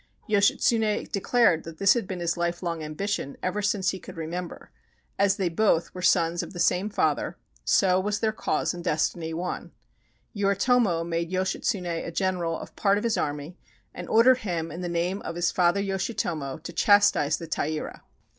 Yoshitsune declared that this had been his lifelong ambition ever since he could remember, — as they both were sons of the same father, so was their cause and destiny one. Yoritomo made Yoshitsune a general of part of his army and ordered him in the name of his father Yoshitomo to chastise the Taira.